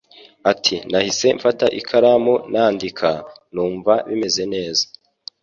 Ati “Nahise mfata ikaramu ndandika, numva bimeze neza.